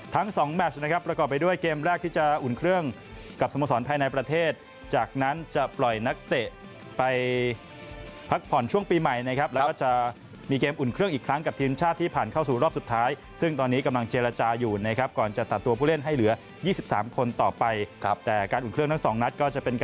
ทั้งสองแมชนะครับประกอบไปด้วยเกมแรกที่จะอุ่นเครื่องกับสโมสรภายในประเทศจากนั้นจะปล่อยนักเตะไปพักผ่อนช่วงปีใหม่นะครับแล้วก็จะมีเกมอุ่นเครื่องอีกครั้งกับทีมชาติที่ผ่านเข้าสู่รอบสุดท้ายซึ่งตอนนี้กำลังเจรจาอยู่นะครับก่อนจะตัดตัวผู้เล่นให้เหลือ๒๓คนต่อไปครับแต่การอุ่นเครื่องทั้งสองนัดก็จะเป็นก